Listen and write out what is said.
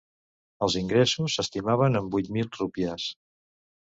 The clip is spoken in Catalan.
Els ingressos s'estimaven en vuit mil rúpies.